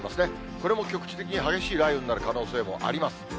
これも局地的に激しい雷雨になる可能性もあります。